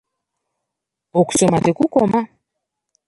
Okusoma tekukoma.